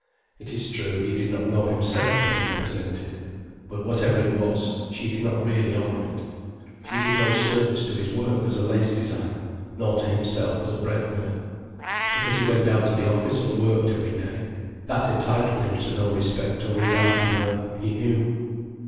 It is true, he did not know himself what he represented. But whatever it was she did not really honour it. She did no service to his work as a lace designer, nor to himself as bread winner. Because he went down to the office and worked every day—that entitled him to no respect or regard from her, he knew.